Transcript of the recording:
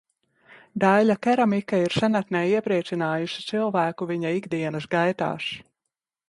Daiļa keramika ir senatnē iepriecinājusi cilvēku viņa ikdienas gaitās.